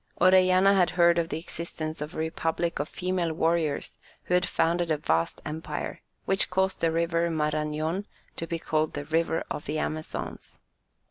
Orellana had heard of the existence of a Republic of female warriors who had founded a vast empire, which caused the river Marañon to be called the River of the Amazons.